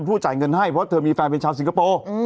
จ่ายเงินให้เพราะเธอมีแฟนเป็นชาวสิงคโปร์